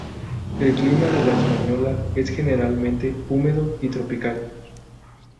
El clima de La Española es generalmente húmedo y tropical.